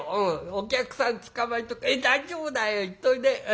お客さん捕まえとく大丈夫だよ行っといで。